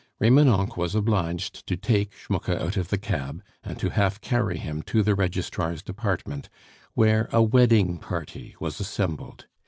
Remonencq was obliged to take Schmucke out of the cab and to half carry him to the registrar's department, where a wedding party was assembled.